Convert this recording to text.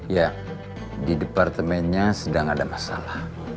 ya di departemennya sedang ada masalah